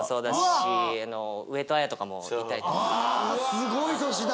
すごい年だ。